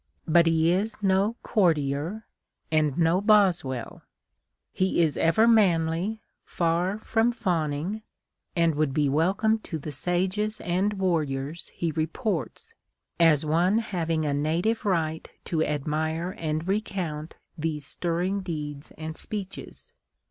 But he is no courtier, and no Boswell : he is ever manly, far from fawning, and would be welcome to tlie sages and wai'riors he reports, as one having a native riglit to admire and recount these stirring deeds and speeclies.